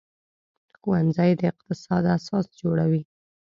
ښوونځی د اقتصاد اساس جوړوي